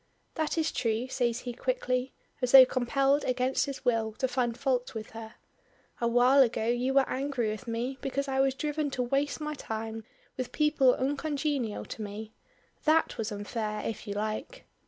"That is true," says he quickly, as though compelled against his will to find fault with her. "A while ago you were angry with me because I was driven to waste my time with people uncongenial to me. That was unfair if you like."